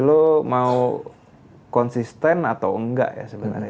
lo mau konsisten atau enggak ya sebenarnya